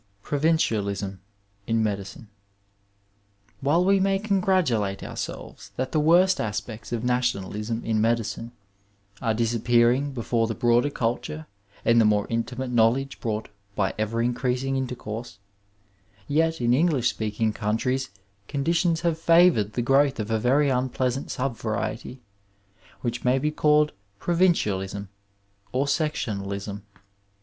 PROVINCIALISM IN MEDICINE While we may congratulate ourselves that the worst aspects of nationalism in medicine are disappearing be fore the broader culture and the more intimate know ledge brought by ever increasing intercourse, yet in Eng lish speaking countries conditions have favoured the growth of a very unpleasant subvariety, which may be called provincialism or sectionalism.